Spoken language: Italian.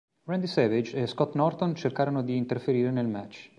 Randy Savage e Scott Norton cercarono di interferire nel match.